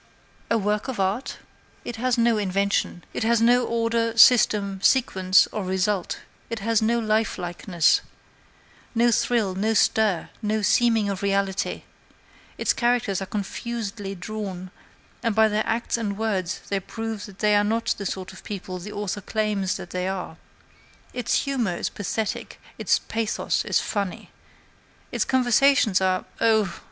A work of art? It has no invention; it has no order, system, sequence, or result; it has no lifelikeness, no thrill, no stir, no seeming of reality; its characters are confusedly drawn, and by their acts and words they prove that they are not the sort of people the author claims that they are; its humor is pathetic; its pathos is funny; its conversations are oh!